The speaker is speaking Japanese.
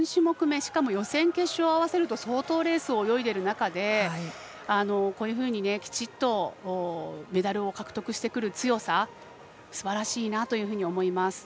しかも予選、決勝合わせると相当レースを泳いでいる中でこういうふうにきちっとメダルを獲得してくる強さすばらしいなと思います。